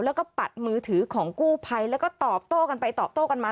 แล้วก็ปัดมือถือของกู้ภัยแล้วก็ตอบโต้กันไปตอบโต้กันมา